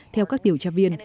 theo các điều tra viên